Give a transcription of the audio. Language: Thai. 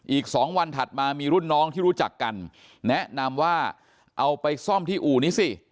อีก๒วันถัดมามีรุ่นน้องที่รู้จักกันแนะนำว่าเอาไปซ่อมที่อู่นี้สิ